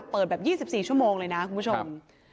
เปิดแบบ๒๔ชั่วโมงเลยนะคุณผู้ชม